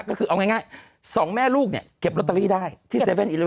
ก็คือเอาง่ายสองแม่ลูกเนี่ยเก็บลอตเตอรี่ได้ที่๗๑๑